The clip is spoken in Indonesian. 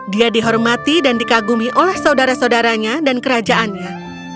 dia dihormati dan dikagumi oleh saudara saudaranya dan kerajaannya